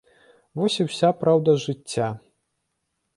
Вось і ўся праўда жыцця.